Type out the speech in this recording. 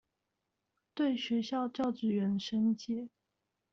對學校教職員申誡